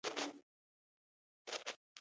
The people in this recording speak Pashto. سوالګر له سوال پرته بله لار نه لري